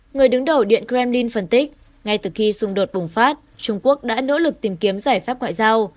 người đứng đầu điện kremlin phân tích ngay từ khi xung đột bùng phát trung quốc đã nỗ lực tìm kiếm giải pháp ngoại giao